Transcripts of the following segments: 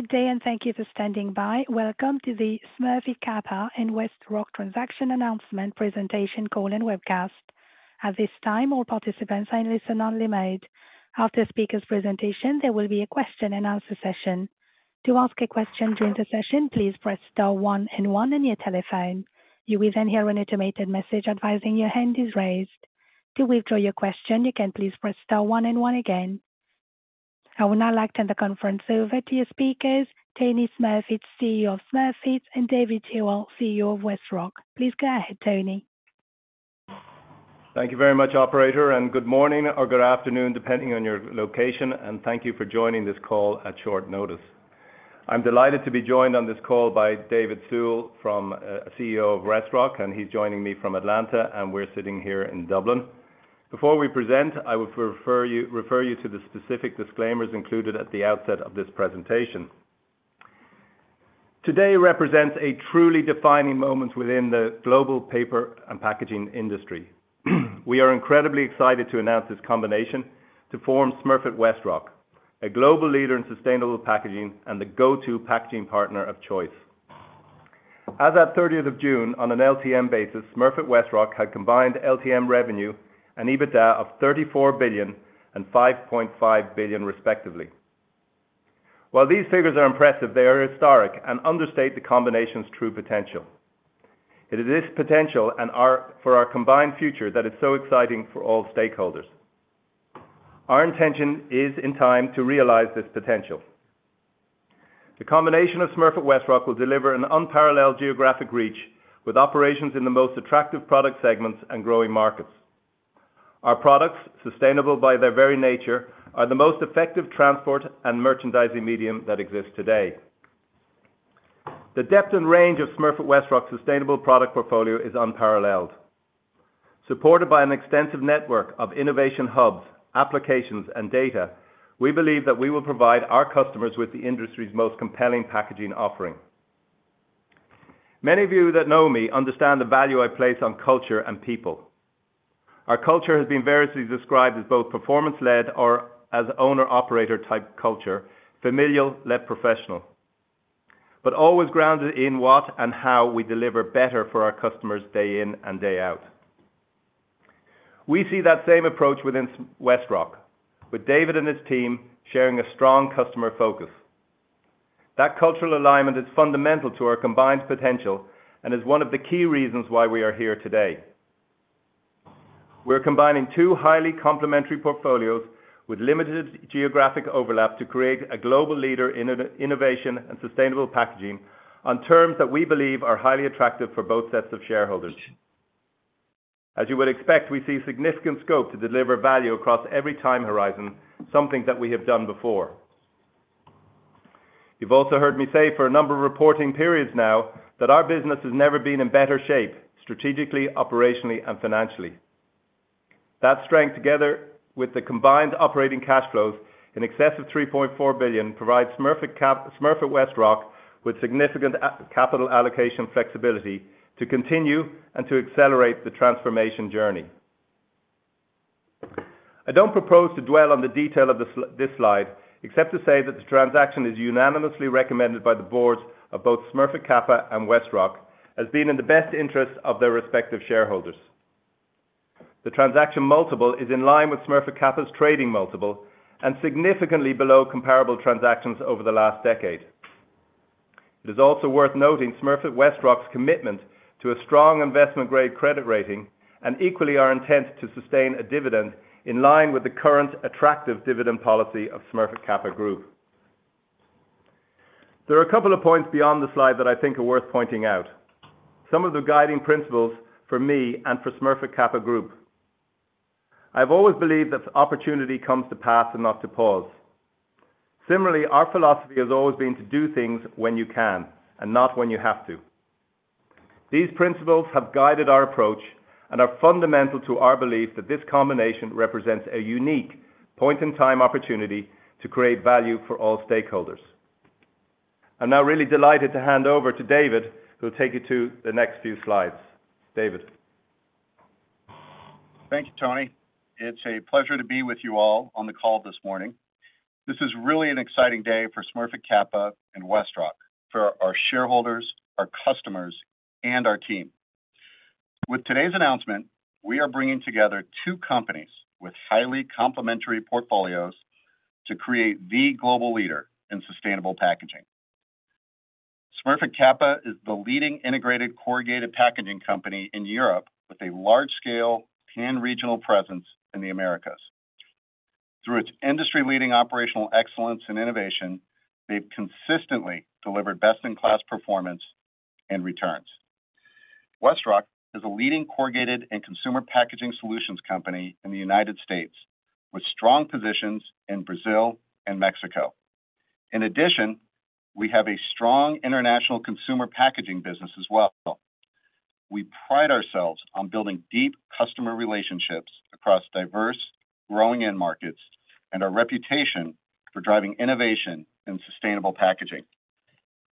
Good day, and thank you for standing by. Welcome to the Smurfit Kappa and WestRock Transaction Announcement Presentation Call and Webcast. At this time, all participants are in listen-only mode. After the speaker's presentation, there will be a question and answer session. To ask a question during the session, please press star one and one on your telephone. You will then hear an automated message advising your hand is raised. To withdraw your question, you can please press star one and one again. I would now like to hand the conference over to your speakers, Tony Smurfit, CEO of Smurfit, and David Sewell, CEO of WestRock. Please go ahead, Tony. Thank you very much, operator, and good morning or good afternoon, depending on your location, and thank you for joining this call at short notice. I'm delighted to be joined on this call by David Sewell, CEO of WestRock, and he's joining me from Atlanta, and we're sitting here in Dublin. Before we present, I will refer you, refer you to the specific disclaimers included at the outset of this presentation. Today represents a truly defining moment within the global paper and packaging industry. We are incredibly excited to announce this combination to form Smurfit WestRock, a global leader in sustainable packaging and the go-to packaging partner of choice. As at 30th of June, on an LTM basis, Smurfit WestRock had combined LTM revenue and EBITDA of $34 billion and $5.5 billion, respectively. While these figures are impressive, they are historic and understate the combination's true potential. It is this potential and our combined future that is so exciting for all stakeholders. Our intention is, in time, to realize this potential. The combination of Smurfit WestRock will deliver an unparalleled geographic reach, with operations in the most attractive product segments and growing markets. Our products, sustainable by their very nature, are the most effective transport and merchandising medium that exists today. The depth and range of Smurfit WestRock's sustainable product portfolio is unparalleled. Supported by an extensive network of innovation hubs, applications, and data, we believe that we will provide our customers with the industry's most compelling packaging offering. Many of you that know me understand the value I place on culture and people. Our culture has been variously described as both performance-led or as owner-operator type culture, familial-led professional, but always grounded in what and how we deliver better for our customers day in and day out. We see that same approach within WestRock, with David and his team sharing a strong customer focus. That cultural alignment is fundamental to our combined potential and is one of the key reasons why we are here today. We're combining two highly complementary portfolios with limited geographic overlap to create a global leader in innovation and sustainable packaging on terms that we believe are highly attractive for both sets of shareholders. As you would expect, we see significant scope to deliver value across every time horizon, something that we have done before. You've also heard me say for a number of reporting periods now, that our business has never been in better shape, strategically, operationally, and financially. That strength, together with the combined operating cash flows in excess of $3.4 billion, provides Smurfit WestRock with significant capital allocation flexibility to continue and to accelerate the transformation journey. I don't propose to dwell on the detail of this slide, except to say that the transaction is unanimously recommended by the boards of both Smurfit Kappa and WestRock as being in the best interest of their respective shareholders. The transaction multiple is in line with Smurfit Kappa's trading multiple and significantly below comparable transactions over the last decade. It is also worth noting Smurfit WestRock's commitment to a strong investment-grade credit rating, and equally, our intent to sustain a dividend in line with the current attractive dividend policy of Smurfit Kappa Group. There are a couple of points beyond the slide that I think are worth pointing out, some of the guiding principles for me and for Smurfit Kappa Group. I've always believed that the opportunity comes to pass and not to pause. Similarly, our philosophy has always been to do things when you can, and not when you have to. These principles have guided our approach and are fundamental to our belief that this combination represents a unique point-in-time opportunity to create value for all stakeholders. I'm now really delighted to hand over to David, who'll take you to the next few slides. David? Thank you, Tony. It's a pleasure to be with you all on the call this morning. This is really an exciting day for Smurfit Kappa and WestRock, for our shareholders, our customers, and our team. With today's announcement, we are bringing together two companies with highly complementary portfolios to create the global leader in sustainable packaging. Smurfit Kappa is the leading integrated corrugated packaging company in Europe, with a large-scale pan-regional presence in the Americas. Through its industry-leading operational excellence and innovation, they've consistently delivered best-in-class performance and returns. WestRock is a leading corrugated and consumer packaging solutions company in the United States, with strong positions in Brazil and Mexico. In addition, we have a strong international consumer packaging business as well. We pride ourselves on building deep customer relationships across diverse, growing end markets, and our reputation for driving innovation and sustainable packaging.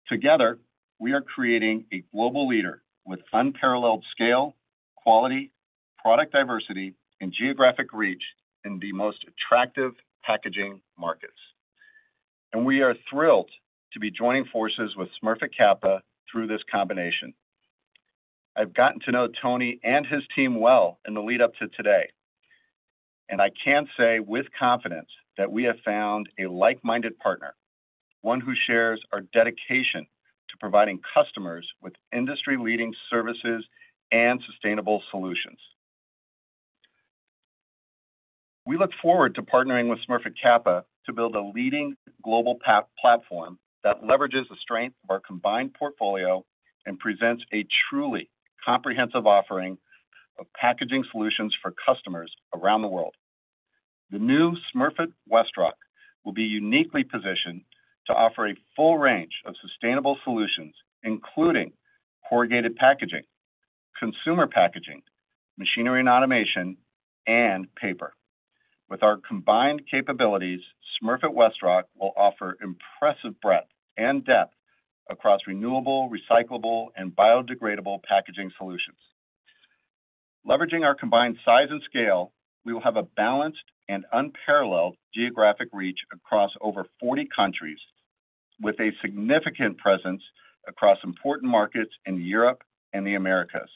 Together, we are creating a global leader with unparalleled scale, quality, product diversity, and geographic reach in the most attractive packaging markets. We are thrilled to be joining forces with Smurfit Kappa through this combination. I've gotten to know Tony and his team well in the lead-up to today, and I can say with confidence that we have found a like-minded partner, one who shares our dedication to providing customers with industry-leading services and sustainable solutions. We look forward to partnering with Smurfit Kappa to build a leading global platform that leverages the strength of our combined portfolio and presents a truly comprehensive offering of packaging solutions for customers around the world. The new Smurfit WestRock will be uniquely positioned to offer a full range of sustainable solutions, including corrugated packaging, consumer packaging, machinery and automation, and paper. With our combined capabilities, Smurfit WestRock will offer impressive breadth and depth across renewable, recyclable, and biodegradable packaging solutions. Leveraging our combined size and scale, we will have a balanced and unparalleled geographic reach across over forty countries, with a significant presence across important markets in Europe and the Americas.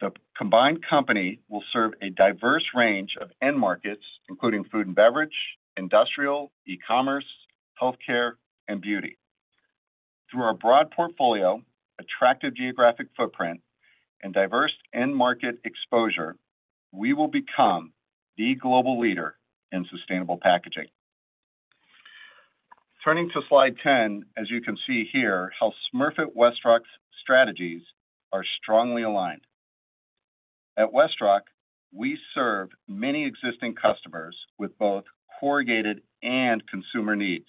The combined company will serve a diverse range of end markets, including food and beverage, industrial, e-commerce, healthcare, and beauty. Through our broad portfolio, attractive geographic footprint, and diverse end market exposure, we will become the global leader in sustainable packaging. Turning to slide 10, as you can see here, how Smurfit WestRock's strategies are strongly aligned. At WestRock, we serve many existing customers with both corrugated and consumer needs,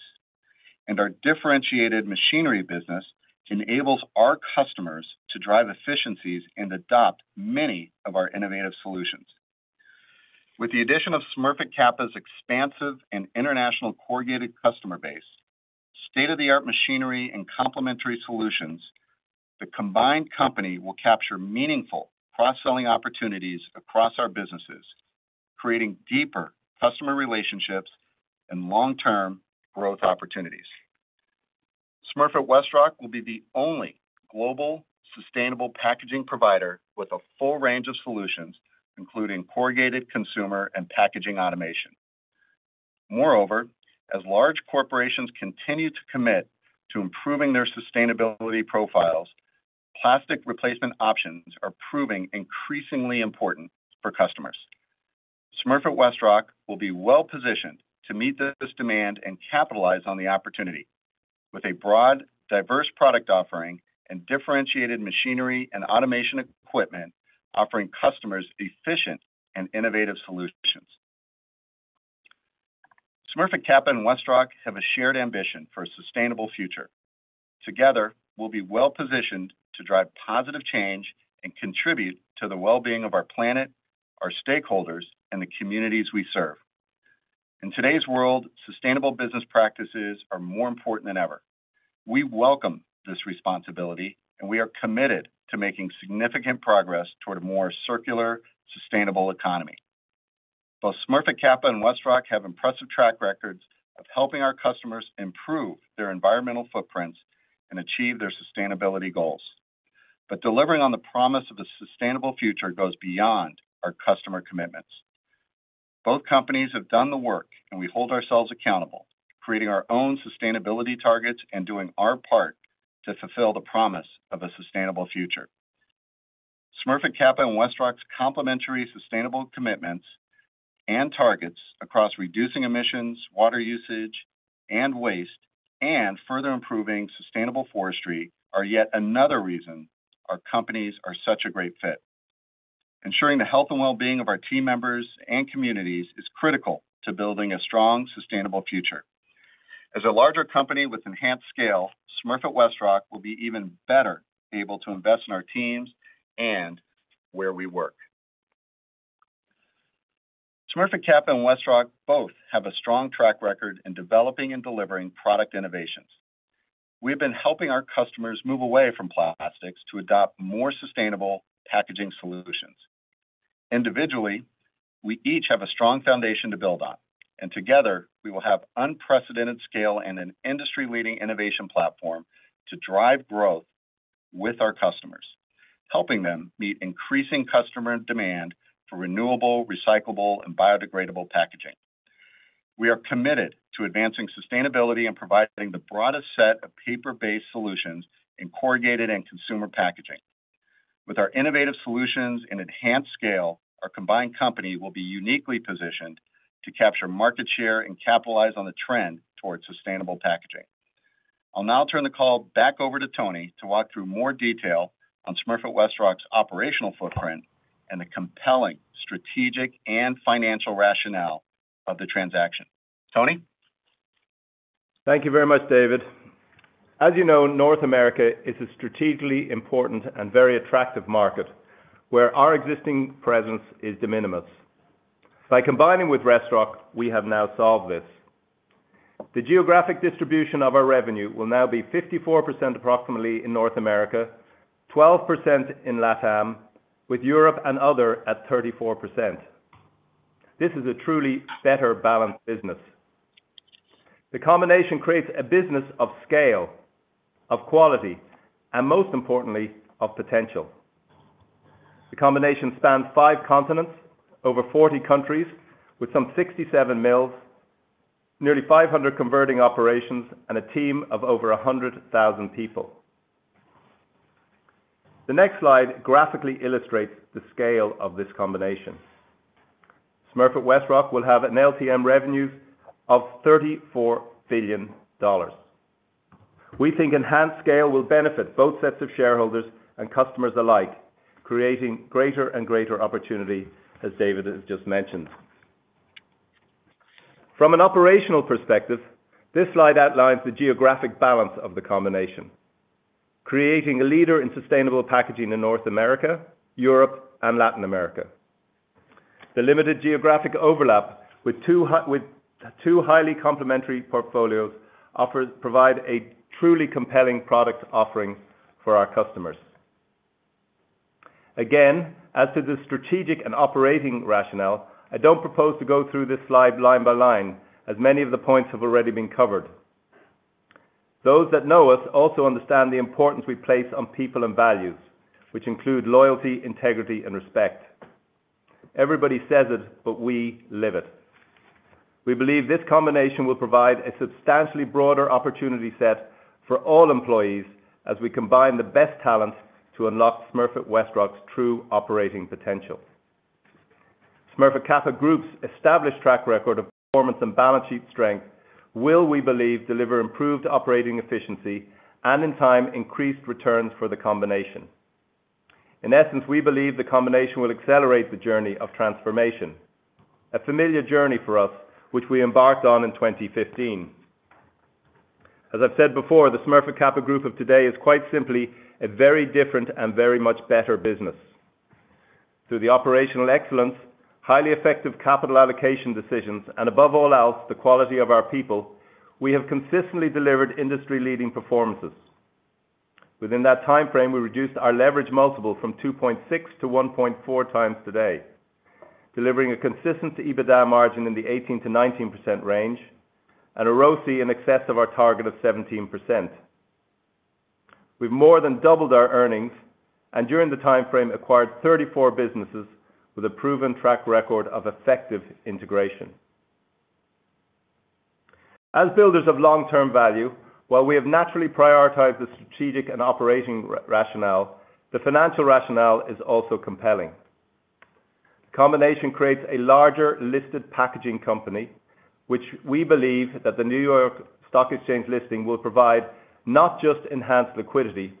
and our differentiated machinery business enables our customers to drive efficiencies and adopt many of our innovative solutions. With the addition of Smurfit Kappa's expansive and international corrugated customer base, state-of-the-art machinery and complementary solutions, the combined company will capture meaningful cross-selling opportunities across our businesses, creating deeper customer relationships and long-term growth opportunities. Smurfit WestRock will be the only global sustainable packaging provider with a full range of solutions, including corrugated, consumer, and packaging automation. Moreover, as large corporations continue to commit to improving their sustainability profiles, plastic replacement options are proving increasingly important for customers. Smurfit WestRock will be well-positioned to meet this demand and capitalize on the opportunity with a broad, diverse product offering and differentiated machinery and automation equipment, offering customers efficient and innovative solutions. Smurfit Kappa and WestRock have a shared ambition for a sustainable future. Together, we'll be well-positioned to drive positive change and contribute to the well-being of our planet, our stakeholders, and the communities we serve. In today's world, sustainable business practices are more important than ever. We welcome this responsibility, and we are committed to making significant progress toward a more circular, sustainable economy. Both Smurfit Kappa and WestRock have impressive track records of helping our customers improve their environmental footprints and achieve their sustainability goals. But delivering on the promise of a sustainable future goes beyond our customer commitments. Both companies have done the work, and we hold ourselves accountable, creating our own sustainability targets and doing our part to fulfill the promise of a sustainable future. Smurfit Kappa and WestRock's complementary sustainable commitments and targets across reducing emissions, water usage, and waste, and further improving sustainable forestry, are yet another reason our companies are such a great fit. Ensuring the health and well-being of our team members and communities is critical to building a strong, sustainable future. As a larger company with enhanced scale, Smurfit WestRock will be even better able to invest in our teams and where we work. Smurfit Kappa and WestRock both have a strong track record in developing and delivering product innovations. We've been helping our customers move away from plastics to adopt more sustainable packaging solutions. Individually, we each have a strong foundation to build on, and together, we will have unprecedented scale and an industry-leading innovation platform to drive growth with our customers, helping them meet increasing customer demand for renewable, recyclable, and biodegradable packaging. We are committed to advancing sustainability and providing the broadest set of paper-based solutions in corrugated and consumer packaging. With our innovative solutions and enhanced scale, our combined company will be uniquely positioned to capture market share and capitalize on the trend towards sustainable packaging. I'll now turn the call back over to Tony to walk through more detail on Smurfit WestRock's operational footprint and the compelling strategic and financial rationale of the transaction. Tony? Thank you very much, David. As you know, North America is a strategically important and very attractive market where our existing presence is de minimis. By combining with WestRock, we have now solved this. The geographic distribution of our revenue will now be 54% approximately in North America, 12% in LATAM, with Europe and other at 34%. This is a truly better balanced business. The combination creates a business of scale, of quality, and most importantly, of potential. The combination spans five continents, over 40 countries, with some 67 mills, nearly 500 converting operations, and a team of over 100,000 people. The next slide graphically illustrates the scale of this combination. Smurfit WestRock will have an LTM revenue of $34 billion. We think enhanced scale will benefit both sets of shareholders and customers alike, creating greater and greater opportunity, as David has just mentioned. From an operational perspective, this slide outlines the geographic balance of the combination, creating a leader in sustainable packaging in North America, Europe, and Latin America. The limited geographic overlap with two highly complementary portfolios offers provide a truly compelling product offering for our customers. Again, as to the strategic and operating rationale, I don't propose to go through this slide line by line, as many of the points have already been covered. Those that know us also understand the importance we place on people and values, which include loyalty, integrity, and respect. Everybody says it, but we live it. We believe this combination will provide a substantially broader opportunity set for all employees as we combine the best talents to unlock Smurfit WestRock's true operating potential. Smurfit Kappa Group's established track record of performance and balance sheet strength will, we believe, deliver improved operating efficiency and, in time, increased returns for the combination. In essence, we believe the combination will accelerate the journey of transformation, a familiar journey for us, which we embarked on in 2015. As I've said before, the Smurfit Kappa Group of today is quite simply a very different and very much better business. Through the operational excellence, highly effective capital allocation decisions, and above all else, the quality of our people, we have consistently delivered industry-leading performances. Within that timeframe, we reduced our leverage multiple from 2.6 to 1.4x today, delivering a consistent EBITDA margin in the 18%-19% range and a ROCE in excess of our target of 17%. We've more than doubled our earnings, and during the timeframe, acquired 34 businesses with a proven track record of effective integration. As builders of long-term value, while we have naturally prioritized the strategic and operating rationale, the financial rationale is also compelling. Combination creates a larger, listed packaging company, which we believe that the New York Stock Exchange listing will provide not just enhanced liquidity,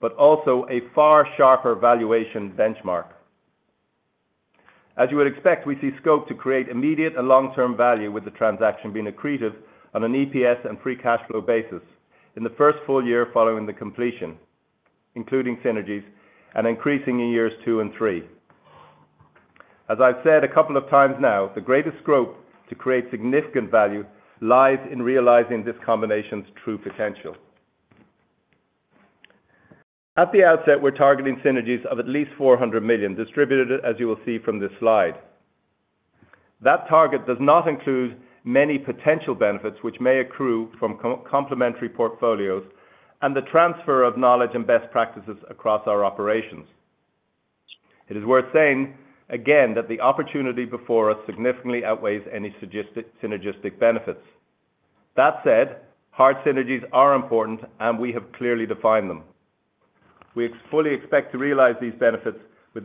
but also a far sharper valuation benchmark. As you would expect, we see scope to create immediate and long-term value, with the transaction being accretive on an EPS and free cash flow basis in the first full year following the completion, including synergies and increasing in years two and three. As I've said a couple of times now, the greatest scope to create significant value lies in realizing this combination's true potential. At the outset, we're targeting synergies of at least $400 million, distributed, as you will see from this slide. That target does not include many potential benefits which may accrue from complementary portfolios and the transfer of knowledge and best practices across our operations. It is worth saying again that the opportunity before us significantly outweighs any synergistic benefits. That said, hard synergies are important, and we have clearly defined them. We fully expect to realize these benefits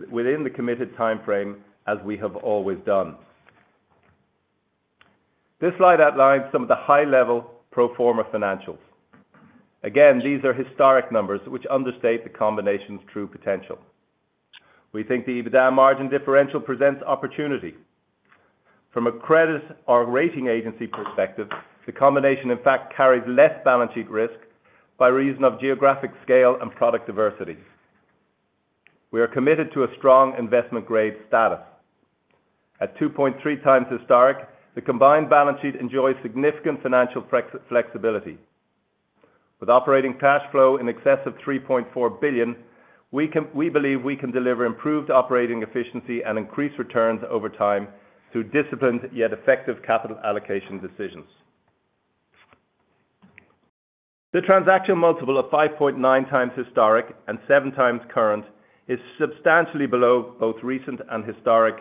within the committed timeframe, as we have always done. This slide outlines some of the high-level pro forma financials. Again, these are historic numbers, which understate the combination's true potential. We think the EBITDA margin differential presents opportunity. From a credit or rating agency perspective, the combination, in fact, carries less balance sheet risk by reason of geographic scale and product diversity. We are committed to a strong investment-grade status. At 2.3x historic, the combined balance sheet enjoys significant financial flexibility. With operating cash flow in excess of $3.4 billion, we believe we can deliver improved operating efficiency and increase returns over time through disciplined, yet effective capital allocation decisions. The transaction multiple of 5.9x historic and 7x current is substantially below both recent and historic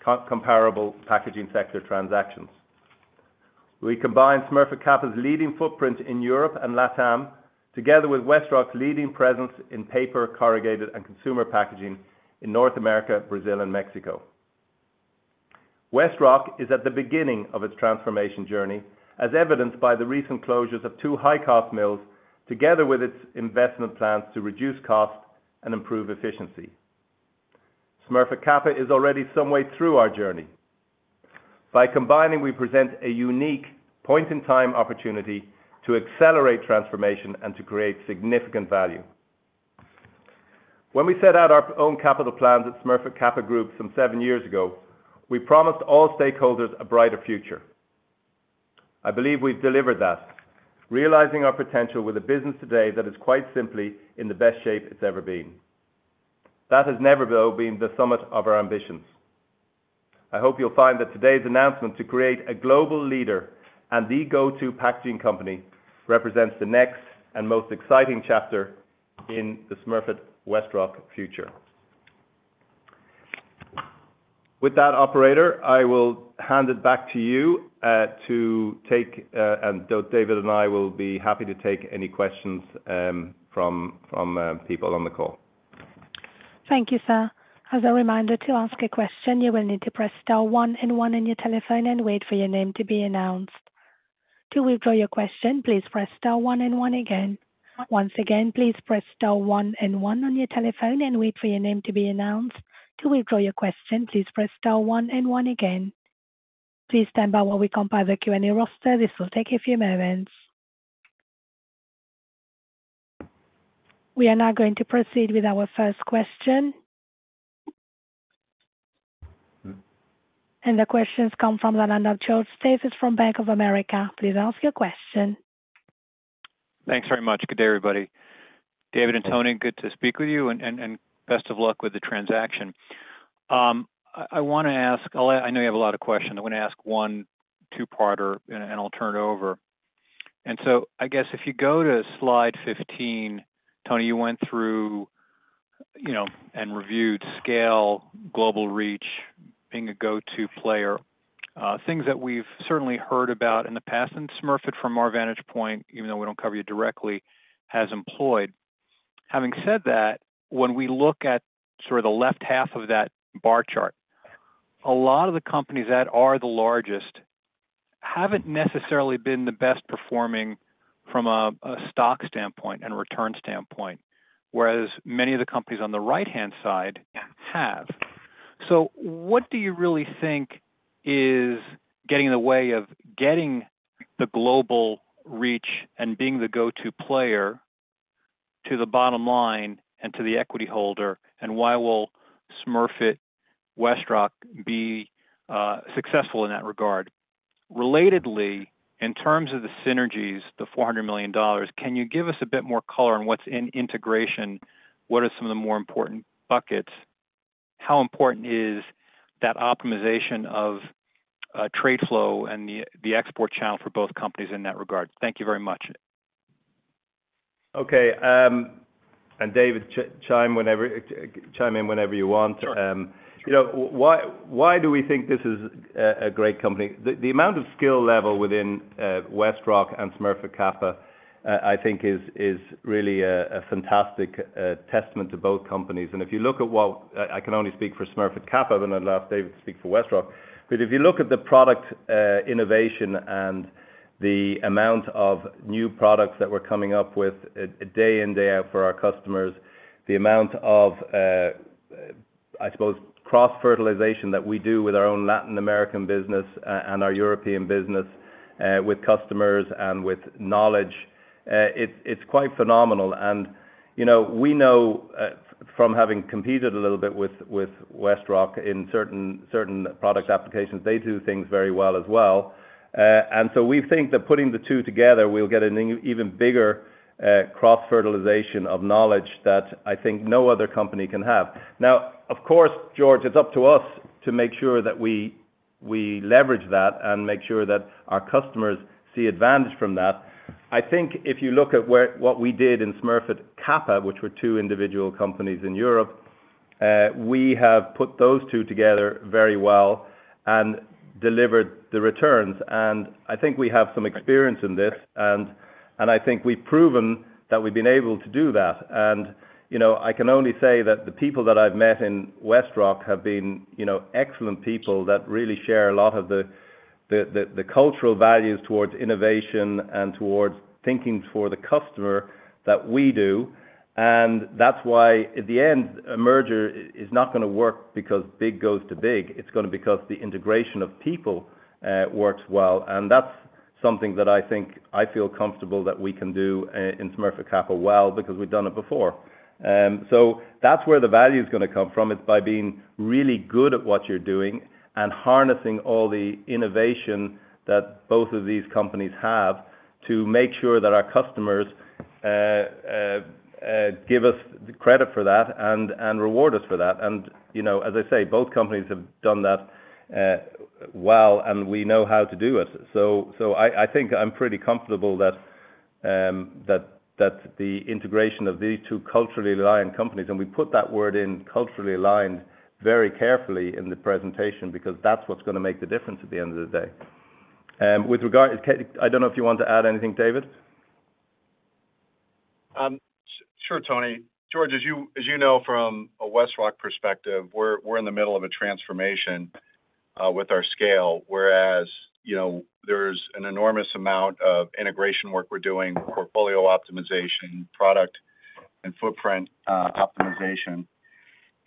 comparable packaging sector transactions. We combine Smurfit Kappa's leading footprint in Europe and LATAM, together with WestRock's leading presence in paper, corrugated, and consumer packaging in North America, Brazil, and Mexico. WestRock is at the beginning of its transformation journey, as evidenced by the recent closures of two high-cost mills, together with its investment plans to reduce costs and improve efficiency. Smurfit Kappa is already some way through our journey. By combining, we present a unique point-in-time opportunity to accelerate transformation and to create significant value. When we set out our own capital plans at Smurfit Kappa Group some seven years ago, we promised all stakeholders a brighter future. I believe we've delivered that, realizing our potential with a business today that is quite simply in the best shape it's ever been. That has never, though, been the summit of our ambitions. I hope you'll find that today's announcement to create a global leader and the go-to packaging company represents the next and most exciting chapter in the Smurfit WestRock future. With that, operator, I will hand it back to you, to take, and though David and I will be happy to take any questions, from, from, people on the call. Thank you, sir. As a reminder to ask a question, you will need to press star one and one on your telephone and wait for your name to be announced. To withdraw your question, please press star one and one again. Once again, please press star one and one on your telephone and wait for your name to be announced. To withdraw your question, please press star one and one again. Please stand by while we compile the Q&A roster. This will take a few moments. We are now going to proceed with our first question. The question comes from the line of George Staphos from Bank of America. Please ask your question. Thanks very much. Good day, everybody. David and Tony, good to speak with you, and best of luck with the transaction. I wanna ask, I know you have a lot of questions. I wanna ask one two-parter, and I'll turn it over. And so I guess if you go to slide 15, Tony, you went through, you know, and reviewed scale, global reach, being a go-to player, things that we've certainly heard about in the past, and Smurfit, from our vantage point, even though we don't cover you directly, has employed. Having said that, when we look at sort of the left half of that bar chart, a lot of the companies that are the largest haven't necessarily been the best performing from a stock standpoint and return standpoint, whereas many of the companies on the right-hand side have? So what do you really think is getting in the way of getting the global reach and being the go-to player to the bottom line and to the equity holder? And why will Smurfit WestRock be successful in that regard? Relatedly, in terms of the synergies, the $400 million, can you give us a bit more color on what's in integration? What are some of the more important buckets? How important is that optimization of trade flow and the export channel for both companies in that regard? Thank you very much. Okay, and David, chime in whenever you want. Sure. You know, why do we think this is a great company? The amount of skill level within WestRock and Smurfit Kappa, I think is really a fantastic testament to both companies. And if you look at what I can only speak for Smurfit Kappa, and I'd love David to speak for WestRock. But if you look at the product innovation and the amount of new products that we're coming up with day in, day out for our customers, the amount of, I suppose, cross-fertilization that we do with our own Latin American business and our European business with customers and with knowledge, it's quite phenomenal. And, you know, we know from having competed a little bit with WestRock in certain product applications, they do things very well as well. And so we think that putting the two together, we'll get an even bigger cross-fertilization of knowledge that I think no other company can have. Now, of course, George, it's up to us to make sure that we leverage that and make sure that our customers see advantage from that. I think if you look at where what we did in Smurfit Kappa, which were two individual companies in Europe, we have put those two together very well and delivered the returns. And I think we have some experience in this, and I think we've proven that we've been able to do that. You know, I can only say that the people that I've met in WestRock have been, you know, excellent people that really share a lot of the cultural values towards innovation and towards thinking for the customer that we do. And that's why, in the end, a merger is not gonna work because big goes to big. It's gonna because the integration of people works well, and that's something that I think I feel comfortable that we can do in Smurfit Kappa well, because we've done it before. So that's where the value is gonna come from. It's by being really good at what you're doing and harnessing all the innovation that both of these companies have, to make sure that our customers give us the credit for that and reward us for that. You know, as I say, both companies have done that well, and we know how to do it. So I think I'm pretty comfortable that the integration of these two culturally aligned companies, and we put that word in, culturally aligned, very carefully in the presentation, because that's what's gonna make the difference at the end of the day. With regard to, I don't know if you want to add anything, David? Sure, Tony. George, as you know, from a WestRock perspective, we're in the middle of a transformation with our scale, whereas, you know, there's an enormous amount of integration work we're doing, portfolio optimization, product and footprint optimization.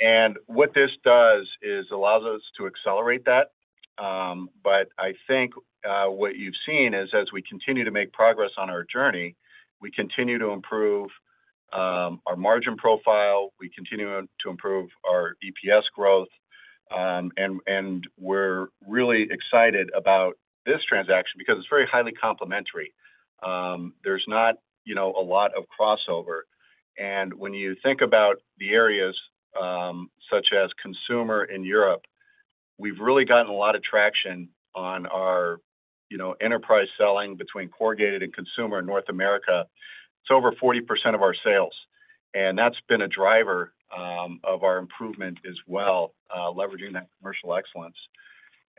And what this does is allows us to accelerate that. But I think what you've seen is as we continue to make progress on our journey, we continue to improve our margin profile, we continue to improve our EPS growth. And, and we're really excited about this transaction because it's very highly complementary. There's not, you know, a lot of crossover. And when you think about the areas such as consumer in Europe, we've really gotten a lot of traction on our, you know, enterprise selling between corrugated and consumer in North America. It's over 40% of our sales, and that's been a driver of our improvement as well, leveraging that commercial excellence.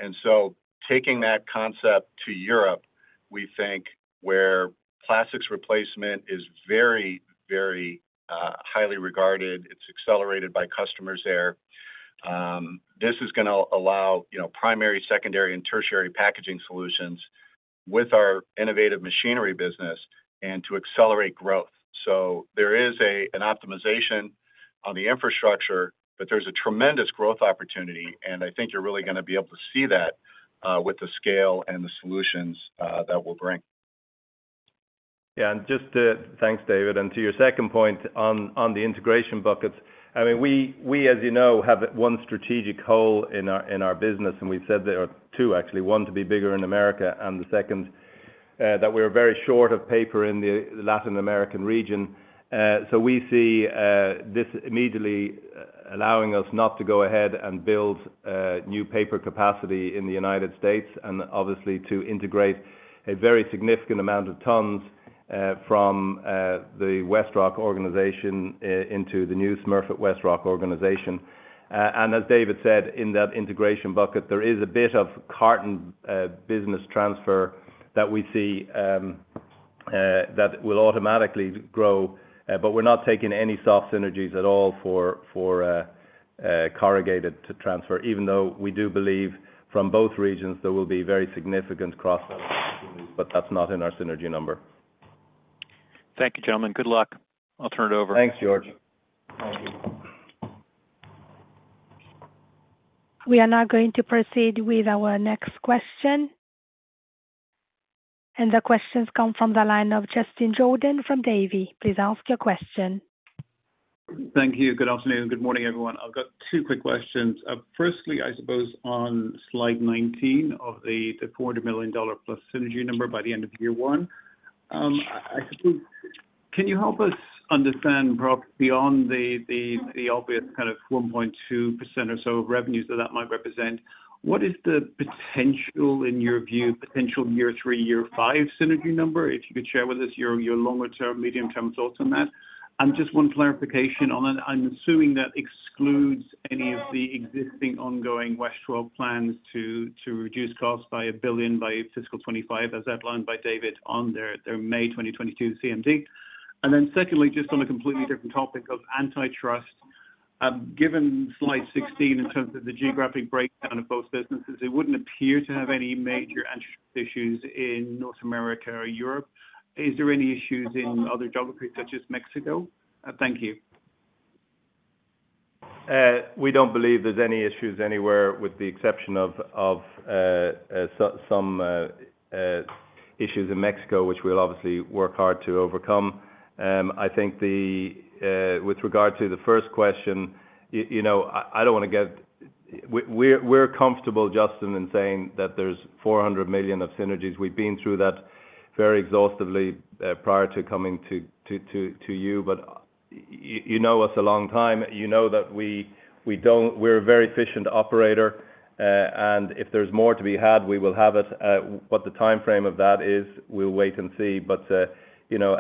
And so taking that concept to Europe, we think where plastics replacement is very, very highly regarded, it's accelerated by customers there. This is gonna allow, you know, primary, secondary, and tertiary packaging solutions with our innovative machinery business and to accelerate growth. So there is an optimization on the infrastructure, but there's a tremendous growth opportunity, and I think you're really gonna be able to see that with the scale and the solutions that we'll bring. Yeah, and thanks, David. And to your second point on the integration buckets, I mean, we, as you know, have one strategic goal in our business, and we've said there are two actually. One, to be bigger in America, and the second, that we're very short of paper in the Latin American region. So we see this immediately allowing us not to go ahead and build new paper capacity in the United States, and obviously to integrate a very significant amount of tons from the WestRock organization into the new Smurfit WestRock organization. And as David said, in that integration bucket, there is a bit of carton business transfer that we see that will automatically grow. but we're not taking any soft synergies at all for corrugated to transfer, even though we do believe from both regions there will be very significant cross sell, but that's not in our synergy number. Thank you, gentlemen. Good luck. I'll turn it over. Thanks, George. Thank you. We are now going to proceed with our next question. The questions come from the line of Justin Jordan from Davy. Please ask your question. Thank you. Good afternoon and good morning, everyone. I've got two quick questions. Firstly, I suppose on slide 19 of the $400 million plus synergy number by the end of year one. I think, can you help us understand perhaps beyond the obvious kind of 1.2% or so of revenues that might represent, what is the potential, in your view, potential year three, year five synergy number? If you could share with us your longer term, medium-term thoughts on that. And just one clarification on that. I'm assuming that excludes any of the existing ongoing WestRock plans to reduce costs by $1 billion by fiscal 2025, as outlined by David on their May 2022 CMD. And then secondly, just on a completely different topic of antitrust, given slide 16, in terms of the geographic breakdown of both businesses, it wouldn't appear to have any major antitrust issues in North America or Europe. Is there any issues in other geographies such as Mexico? Thank you. We don't believe there's any issues anywhere, with the exception of some issues in Mexico, which we'll obviously work hard to overcome. I think with regard to the first question, you know, I don't wanna get—we're comfortable, Justin, in saying that there's $400 million of synergies. We've been through that very exhaustively prior to coming to you, but you know us a long time. You know that we don't—we're a very efficient operator, and if there's more to be had, we will have it. What the timeframe of that is, we'll wait and see. But you know,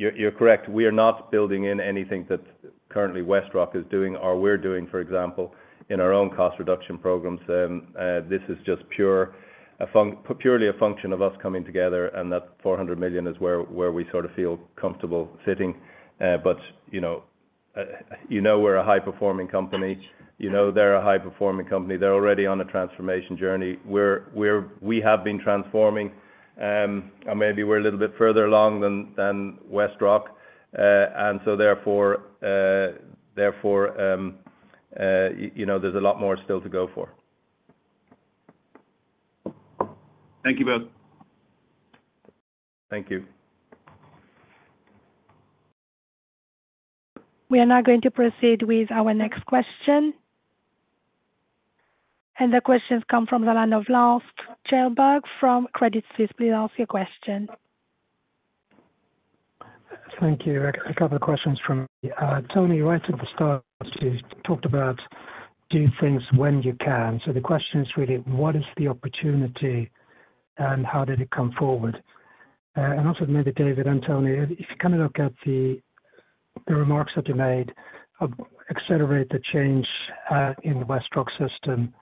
you're correct. We are not building in anything that currently WestRock is doing or we're doing, for example, in our own cost reduction programs. This is just purely a function of us coming together, and that $400 million is where we sort of feel comfortable sitting. But, you know, you know we're a high-performing company. You know they're a high-performing company. They're already on a transformation journey. We have been transforming, and maybe we're a little bit further along than WestRock. And so therefore, you know, there's a lot more still to go for. Thank you both. Thank you. We are now going to proceed with our next question. The questions come from the line of Lars Kjellberg from Credit Suisse. Please ask your question. Thank you. A couple of questions from me. Tony, right at the start, you talked about do things when you can. So the question is really, what is the opportunity and how did it come forward? And also maybe David and Tony, if you kind of look at the remarks that you made, about accelerating the change in the WestRock system,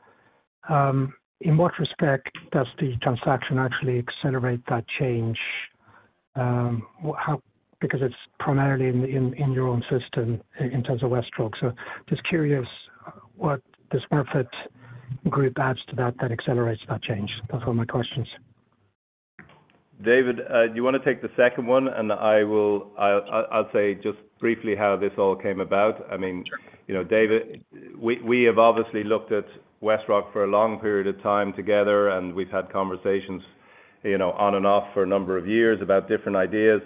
in what respect does the transaction actually accelerate that change? How? Because it's primarily in your own system in terms of WestRock. So just curious what the Smurfit group adds to that, that accelerates that change? Those are my questions.... David, do you wanna take the second one? And I will, I'll say just briefly how this all came about. I mean- Sure. You know, David, we have obviously looked at WestRock for a long period of time together, and we've had conversations, you know, on and off for a number of years about different ideas.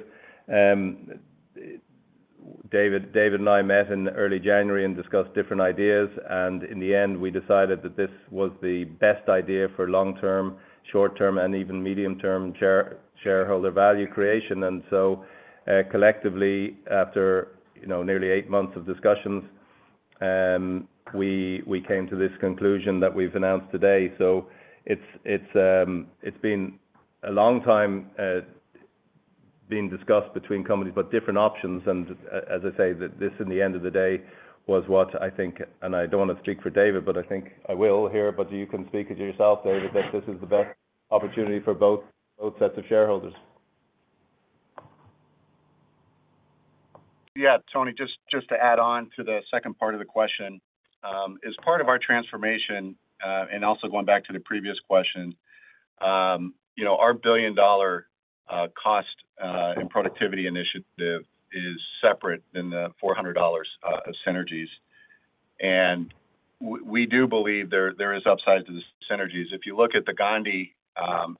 David and I met in early January and discussed different ideas, and in the end, we decided that this was the best idea for long-term, short-term, and even medium-term shareholder value creation. And so, collectively, after, you know, nearly eight months of discussions, we came to this conclusion that we've announced today. So it's been a long time being discussed between companies, but different options. As I say, this, in the end of the day, was what I think, and I don't wanna speak for David, but I think I will here, but you can speak it yourself, David, that this is the best opportunity for both, both sets of shareholders. Yeah, Tony, just, just to add on to the second part of the question. As part of our transformation, and also going back to the previous question, you know, our $1 billion cost and productivity initiative is separate than the $400 million of synergies. And we do believe there is upside to the synergies. If you look at the Gondi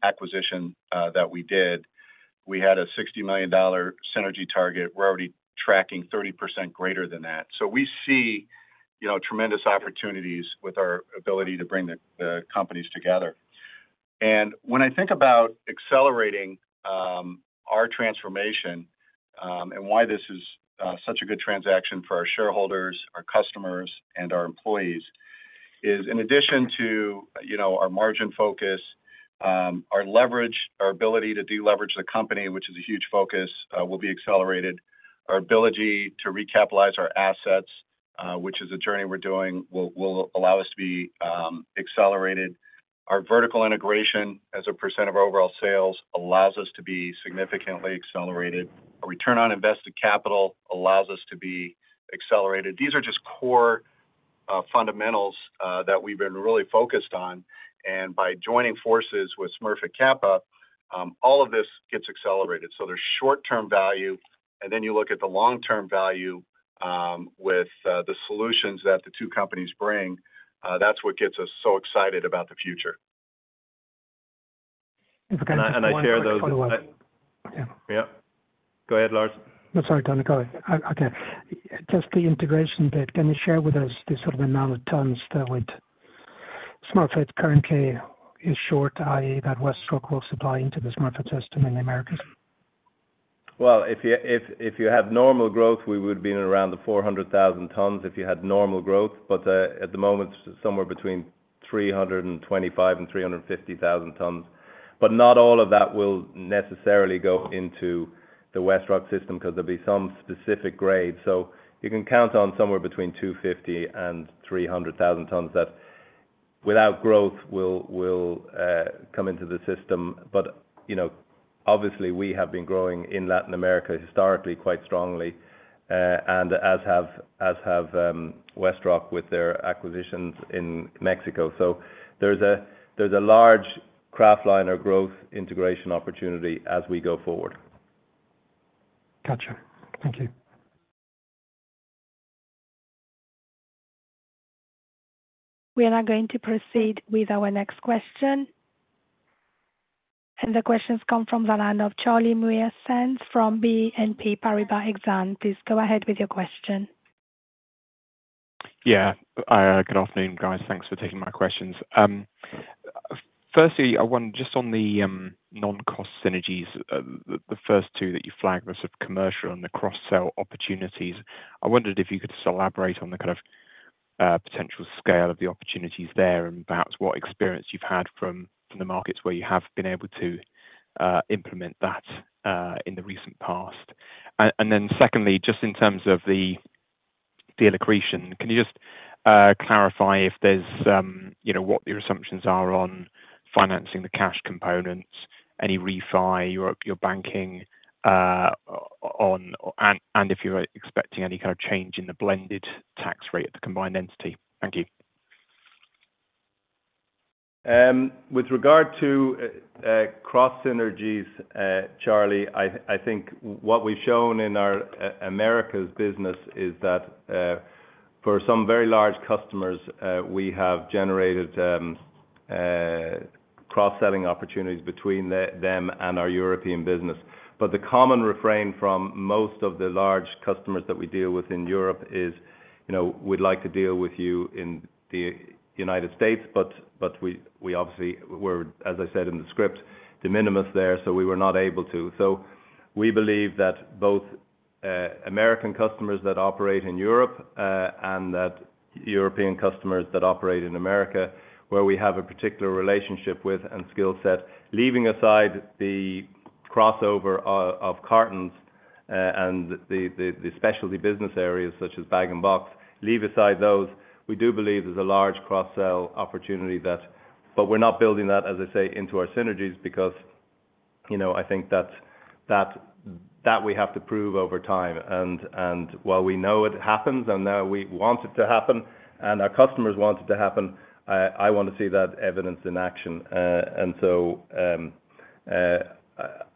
acquisition that we did, we had a $60 million synergy target. We're already tracking 30% greater than that. So we see, you know, tremendous opportunities with our ability to bring the companies together. When I think about accelerating our transformation, and why this is such a good transaction for our shareholders, our customers, and our employees, is in addition to, you know, our margin focus, our leverage, our ability to deleverage the company, which is a huge focus, will be accelerated. Our ability to recapitalize our assets, which is a journey we're doing, will allow us to be accelerated. Our vertical integration, as a percent of our overall sales, allows us to be significantly accelerated. Our return on invested capital allows us to be accelerated. These are just core fundamentals that we've been really focused on, and by joining forces with Smurfit Kappa, all of this gets accelerated. So there's short-term value, and then you look at the long-term value, with the solutions that the two companies bring, that's what gets us so excited about the future. If I can just- I share those- By the way. Yeah. Go ahead, Lars. I'm sorry, Tony. Go ahead. Okay. Just the integration bit, can you share with us the sort of amount of tons that would Smurfit currently is short, i.e., that WestRock will supply into the Smurfit system in the Americas? Well, if you had normal growth, we would be around the 400,000 tons, if you had normal growth. But at the moment, somewhere between 325,000 and 350,000 tons. But not all of that will necessarily go into the WestRock system, 'cause there'll be some specific grades. So you can count on somewhere between 250,000 and 300,000 tons, that without growth, will come into the system. But, you know, obviously, we have been growing in Latin America, historically, quite strongly, and as have WestRock, with their acquisitions in Mexico. So there's a large Kraftliner growth integration opportunity as we go forward. Gotcha. Thank you. We are now going to proceed with our next question. The question's come from the line of Charlie Muir-Sands from BNP Paribas Exane. Please go ahead with your question. Yeah. Good afternoon, guys. Thanks for taking my questions. Firstly, I wonder, just on the non-cost synergies, the first two that you flagged were sort of commercial and the cross-sell opportunities. I wondered if you could just elaborate on the kind of potential scale of the opportunities there, and perhaps what experience you've had from the markets where you have been able to implement that in the recent past. And then secondly, just in terms of the accretion, can you just clarify if there's you know, what your assumptions are on financing the cash components, any refi, your banking on, and if you're expecting any kind of change in the blended tax rate at the combined entity? Thank you. With regard to cross synergies, Charlie, I think what we've shown in our Americas business is that for some very large customers, we have generated cross-selling opportunities between them and our European business. But the common refrain from most of the large customers that we deal with in Europe is, you know, we'd like to deal with you in the United States, but we obviously we're, as I said, in the script, de minimis there, so we were not able to. So we believe that both American customers that operate in Europe and that European customers that operate in America, where we have a particular relationship with and skill set, leaving aside the crossover of cartons and the specialty business areas such as bag-in-box, leave aside those, we do believe there's a large cross-sell opportunity that. But we're not building that, as I say, into our synergies because, you know, I think that's that we have to prove over time. And while we know it happens, and we want it to happen, and our customers want it to happen, I want to see that evidence in action. And so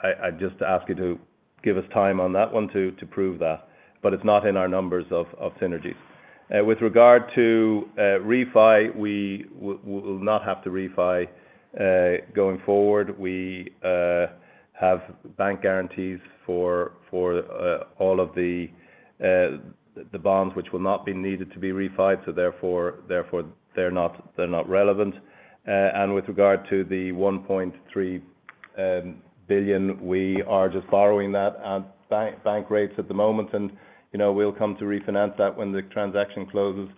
I just ask you to give us time on that one to prove that, but it's not in our numbers of synergies. With regard to refi, we will not have to refi going forward. We have bank guarantees for all of the bonds, which will not be needed to be refinanced. So therefore, they're not relevant. And with regard to the $1.3 billion, we are just borrowing that at bank rates at the moment, and you know, we'll come to refinance that when the transaction closes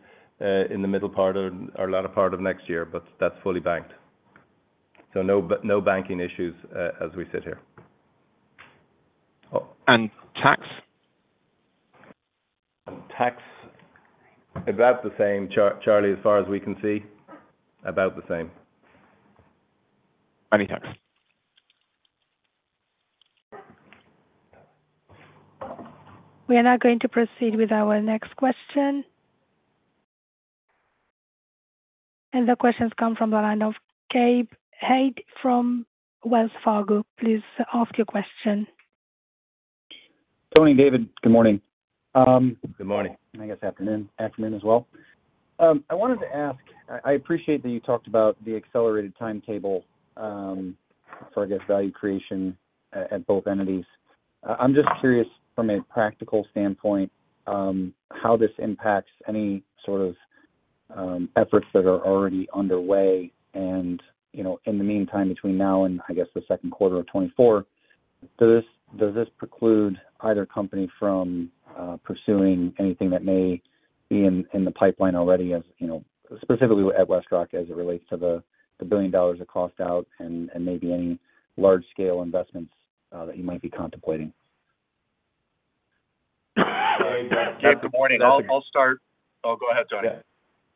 in the middle part or latter part of next year, but that's fully banked. So no banking issues as we sit here. And tax? Tax. About the same, Charlie, as far as we can see, about the same. Many thanks. We are now going to proceed with our next question. The question comes from the line of Gabe Hajde from Wells Fargo. Please ask your question. Tony, David, good morning. Good morning. I guess afternoon, afternoon as well. I wanted to ask, I appreciate that you talked about the accelerated timetable, for, I guess, value creation at, at both entities. I'm just curious from a practical standpoint, how this impacts any sort of, efforts that are already underway. And, you know, in the meantime, between now and I guess, the second quarter of 2024, does this, does this preclude either company from, pursuing anything that may be in, in the pipeline already, as, you know, specifically at WestRock, as it relates to the, the $1 billion of cost out and, and maybe any large scale investments, that you might be contemplating? Gabe, good morning. I'll start. Oh, go ahead, Tony. Yeah.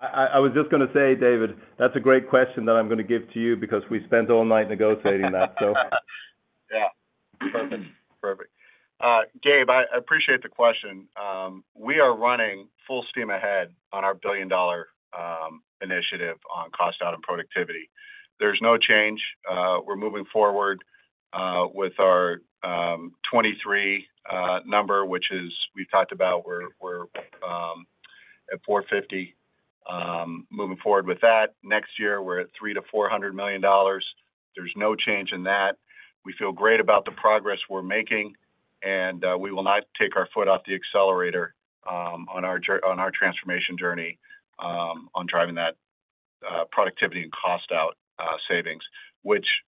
I was just gonna say, David, that's a great question that I'm gonna give to you because we spent all night negotiating that, so. Yeah. Perfect. Perfect. Gabe, I appreciate the question. We are running full steam ahead on our billion-dollar initiative on cost out and productivity. There's no change. We're moving forward with our 2023 number, which we've talked about. We're at 450. Moving forward with that. Next year, we're at $300 million-$400 million. There's no change in that. We feel great about the progress we're making, and we will not take our foot off the accelerator on our transformation journey on driving that productivity and cost out savings, which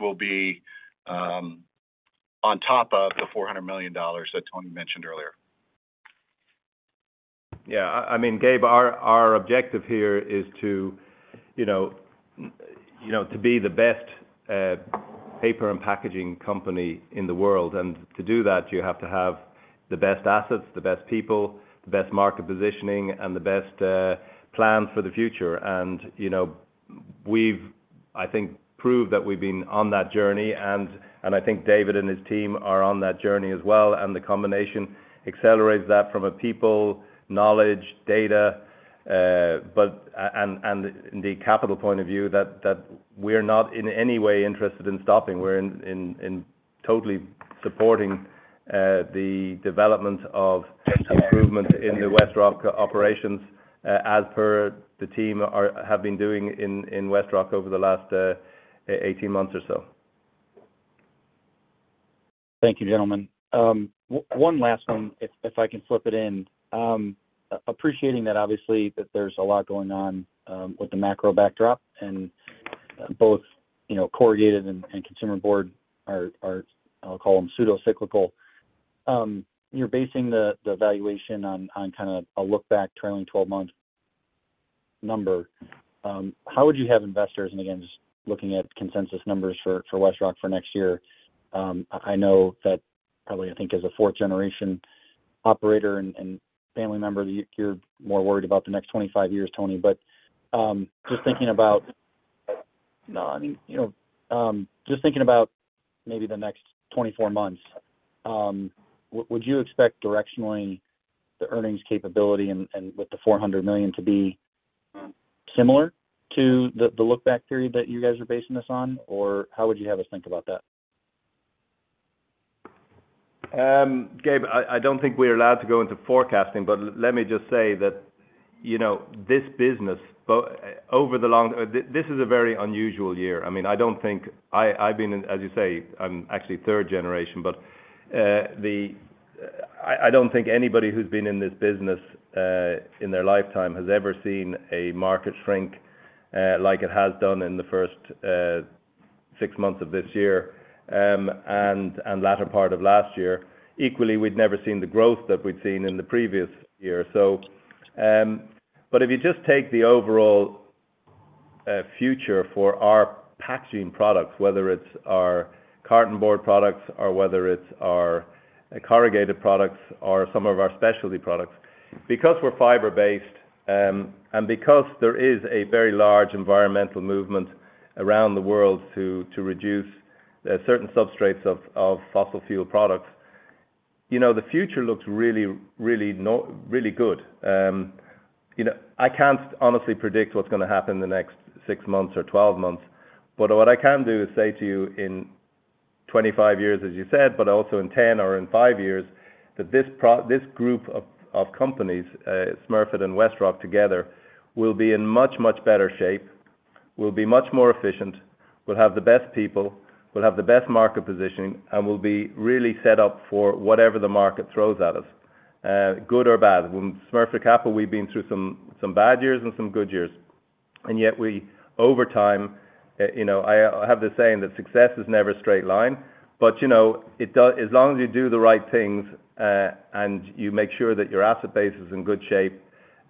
will be on top of the $400 million that Tony mentioned earlier. Yeah, I mean, Gabe, our objective here is to, you know, to be the best, paper and packaging company in the world. And to do that, you have to have the best assets, the best people, the best market positioning, and the best plan for the future. And, you know, we've, I think, proved that we've been on that journey, and I think David and his team are on that journey as well. And the combination accelerates that from people, knowledge, data, but and the capital point of view that we're not in any way interested in stopping. We're in totally supporting the development of improvements in the WestRock operations, as per the team have been doing in WestRock over the last 18 months or so. Thank you, gentlemen. One last one, if I can slip it in. Appreciating that obviously, that there's a lot going on with the macro backdrop, and both, you know, corrugated and consumer board are, I'll call them pseudo cyclical. You're basing the valuation on kind of a look-back trailing 12-month number. How would you have investors, and again, just looking at consensus numbers for WestRock for next year. I know that probably, I think as a fourth-generation operator and family member, you're more worried about the next 25 years, Tony. But, just thinking about—no, I mean, you know, just thinking about maybe the next 24 months, would you expect directionally the earnings capability and with the $400 million to be similar to the look back period that you guys are basing this on? Or how would you have us think about that? Gabe, I don't think we're allowed to go into forecasting, but let me just say that, you know, this business, over the long... This is a very unusual year. I mean, I don't think I've been, as you say, I'm actually third generation, but, I don't think anybody who's been in this business, in their lifetime has ever seen a market shrink, like it has done in the first six months of this year, and latter part of last year. Equally, we'd never seen the growth that we'd seen in the previous year. So, but if you just take the overall future for our packaging products, whether it's our carton board products or whether it's our corrugated products or some of our specialty products. Because we're fiber-based, and because there is a very large environmental movement around the world to reduce certain substrates of fossil fuel products, you know, the future looks really good. You know, I can't honestly predict what's gonna happen in the next six months or 12 months, but what I can do is say to you, in 25 years, as you said, but also in 10 or in five years, that this group of companies, Smurfit and WestRock together, will be in much better shape, will be much more efficient, will have the best people, will have the best market positioning, and will be really set up for whatever the market throws at us, good or bad. When Smurfit Kappa, we've been through some bad years and some good years, and yet we, over time, you know, I have the saying that success is never a straight line. But, you know, it as long as you do the right things, and you make sure that your asset base is in good shape,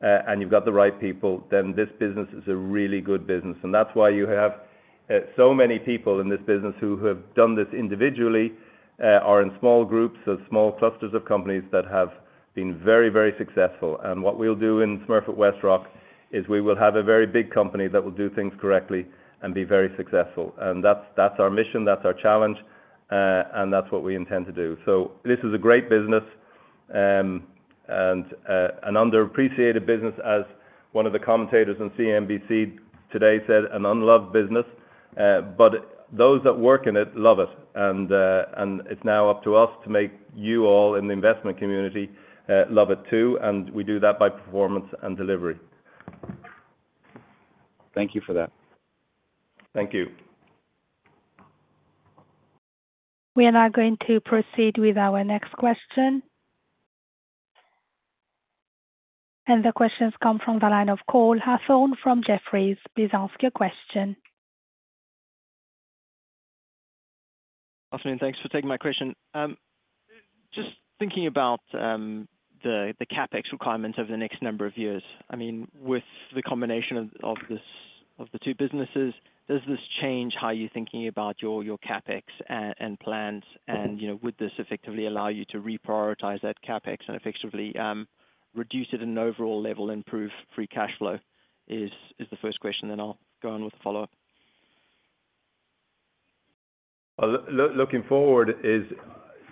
and you've got the right people, then this business is a really good business. And that's why you have so many people in this business who have done this individually, are in small groups or small clusters of companies that have been very, very successful. And what we'll do in Smurfit WestRock is we will have a very big company that will do things correctly and be very successful. And that's our mission, that's our challenge, and that's what we intend to do. So this is a great business, and an underappreciated business as one of the commentators on CNBC today said, "An unloved business." But those that work in it, love it. And it's now up to us to make you all in the investment community, love it too, and we do that by performance and delivery. Thank you for that. Thank you. We are now going to proceed with our next question. The question's come from the line of Cole Hathorn from Jefferies. Please ask your question. Afternoon, thanks for taking my question. Just thinking about the CapEx requirements over the next number of years. I mean, with the combination of the two businesses, does this change how you're thinking about your CapEx and plans? And, you know, would this effectively allow you to reprioritize that CapEx and effectively reduce it in an overall level, improve free cash flow? Is the first question, then I'll go on with the follow-up. Well, looking forward is,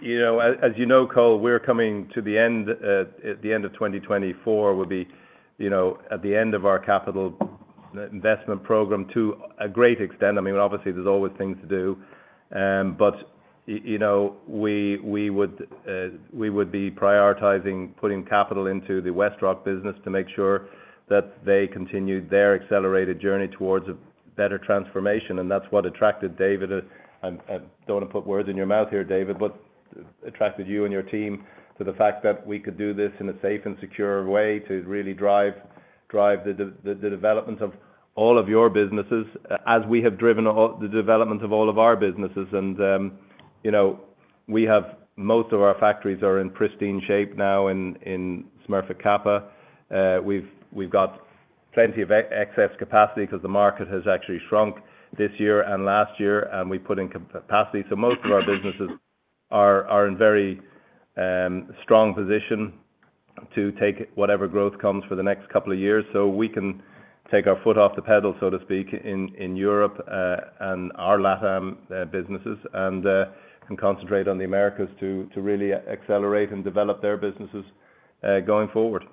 you know, as, as you know, Cole, we're coming to the end, at the end of 2024, we'll be, you know, at the end of our capital investment program, to a great extent. I mean, obviously, there's always things to do, but you know, we, we would, we would be prioritizing putting capital into the WestRock business to make sure that they continue their accelerated journey towards a better transformation. And that's what attracted David, I, I don't wanna put words in your mouth here, David, but attracted you and your team to the fact that we could do this in a safe and secure way to really drive the development of all of your businesses, as we have driven all the development of all of our businesses. You know, we have most of our factories are in pristine shape now in Smurfit Kappa. We've got plenty of excess capacity, 'cause the market has actually shrunk this year and last year, and we've put in capacity. So most of our businesses are in very strong position to take whatever growth comes for the next couple of years. So we can take our foot off the pedal, so to speak, in Europe and our LatAm businesses, and concentrate on the Americas to really accelerate and develop their businesses going forward.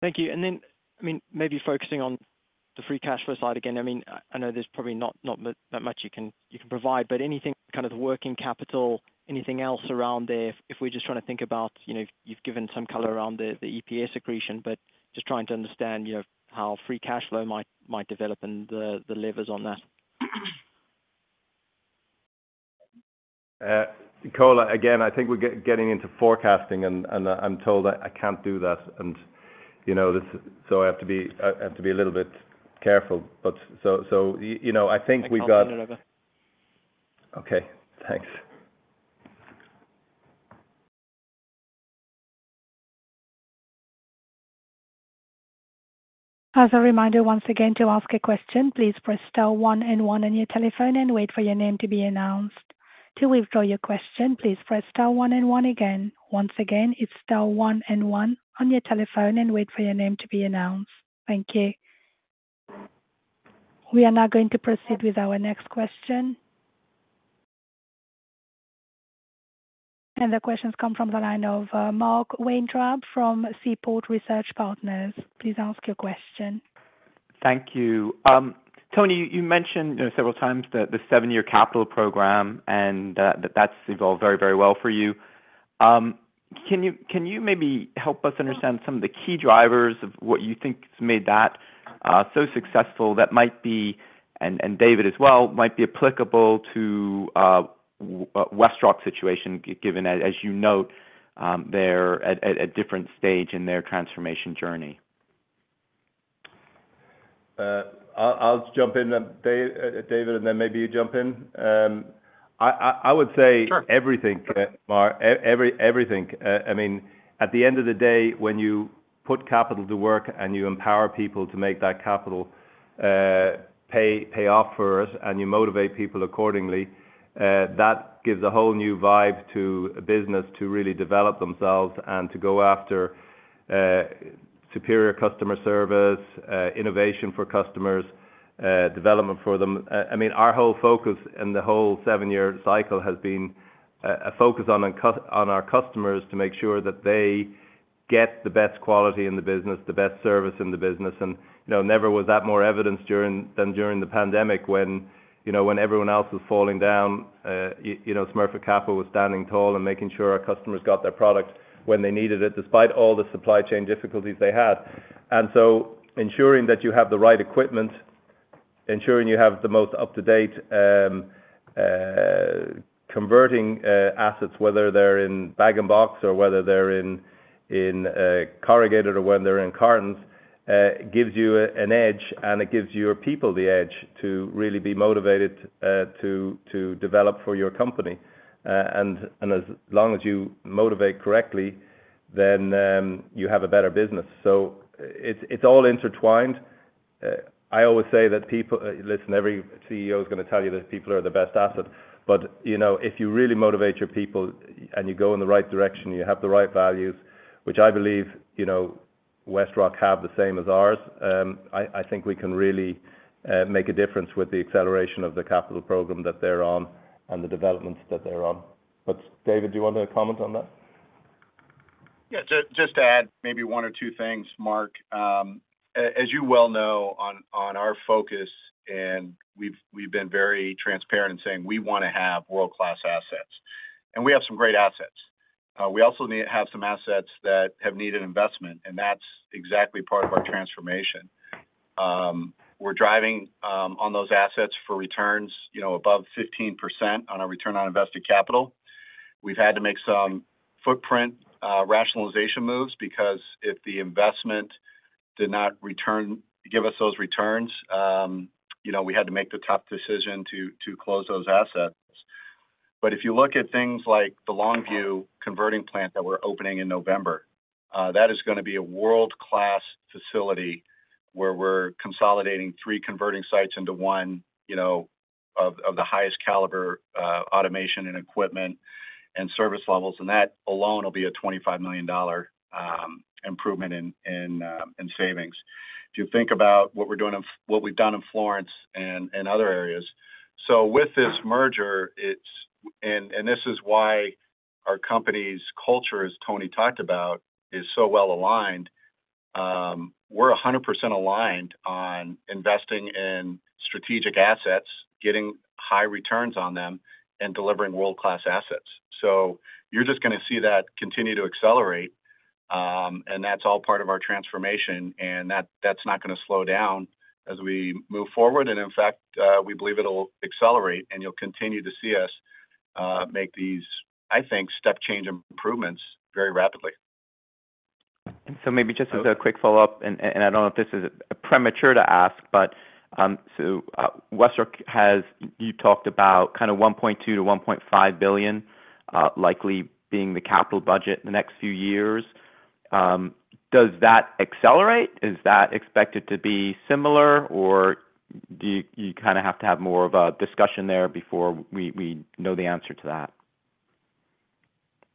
Thank you. And then, I mean, maybe focusing on the free cash flow side again, I mean, I know there's probably not that much you can provide, but anything kind of the working capital, anything else around there? If we're just trying to think about, you know, you've given some color around the EPS accretion, but just trying to understand, you know, how free cash flow might develop and the levers on that. Cole, again, I think we're getting into forecasting, and, and, I'm told I can't do that. And, you know, this... So I have to be, I have to be a little bit careful, but so, so, you know, I think we got- I'll turn it over. Okay, thanks. As a reminder, once again, to ask a question, please press star one and one on your telephone and wait for your name to be announced. To withdraw your question, please press star one and one again. Once again, it's star one and one on your telephone and wait for your name to be announced. Thank you. We are now going to proceed with our next question. The question's come from the line of Mark Weintraub from Seaport Research Partners. Please ask your question. Thank you. Tony, you mentioned, you know, several times the seven-year capital program and that's evolved very, very well for you. Can you maybe help us understand some of the key drivers of what you think has made that so successful, that might be, and David as well, might be applicable to WestRock situation, given, as you note, they're at a different stage in their transformation journey? I'll jump in then, David, and then maybe you jump in. I would say- Sure. Everything, Mark. Everything. I mean, at the end of the day, when you put capital to work, and you empower people to make that capital pay off for us, and you motivate people accordingly, that gives a whole new vibe to a business to really develop themselves and to go after superior customer service, innovation for customers, development for them. I mean, our whole focus in the whole seven-year cycle has been a focus on our customers to make sure that they get the best quality in the business, the best service in the business. You know, never was that more evidenced during than during the pandemic when, you know, when everyone else was falling down, you know, Smurfit Kappa was standing tall and making sure our customers got their products when they needed it, despite all the supply chain difficulties they had. And so ensuring that you have the right equipment, ensuring you have the most up-to-date converting assets, whether they're in bag-in-box or whether they're in corrugated or whether they're in cartons, gives you an edge, and it gives your people the edge to really be motivated to develop for your company. And as long as you motivate correctly, then you have a better business. So it's all intertwined. I always say that people—listen, every CEO is gonna tell you that people are the best asset. But, you know, if you really motivate your people and you go in the right direction, you have the right values, which I believe, you know, WestRock have the same as ours, I think we can really make a difference with the acceleration of the capital program that they're on and the developments that they're on. But David, do you want to comment on that? Yeah. Just to add maybe one or two things, Mark. As you well know, on our focus, and we've been very transparent in saying we wanna have world-class assets. And we have some great assets. We also have some assets that have needed investment, and that's exactly part of our transformation. We're driving on those assets for returns, you know, above 15% on our return on invested capital. We've had to make some footprint rationalization moves, because if the investment did not return, give us those returns, you know, we had to make the tough decision to close those assets. But if you look at things like the Longview converting plant that we're opening in November, that is gonna be a world-class facility, where we're consolidating three converting sites into one, you know, of the highest caliber, automation and equipment and service levels, and that alone will be a $25 million improvement in savings. If you think about what we've done in Florence and other areas. So with this merger, it's... and this is why our company's culture, as Tony talked about, is so well aligned. We're 100% aligned on investing in strategic assets, getting high returns on them, and delivering world-class assets. So you're just gonna see that continue to accelerate, and that's all part of our transformation, and that's not gonna slow down as we move forward. In fact, we believe it'll accelerate, and you'll continue to see us make these, I think, step change improvements very rapidly. So maybe just as a quick follow-up, I don't know if this is premature to ask, but so WestRock, you talked about kind of $1.2 billion-$1.5 billion likely being the capital budget in the next few years. Does that accelerate? Is that expected to be similar, or do you kind of have to have more of a discussion there before we know the answer to that?